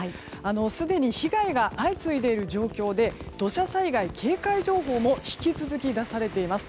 すでに被害が相次いでいる状況で土砂災害警戒情報も引き続き出されています。